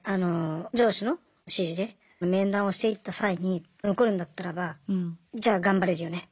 上司の指示で面談をしていった際に残るんだったらばじゃあ頑張れるよね